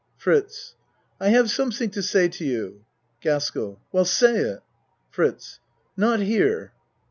FRITZ I have something to say to you. GASKELL Well, say it. FRITZ Not here.